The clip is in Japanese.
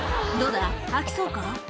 「どうだ？開きそうか？」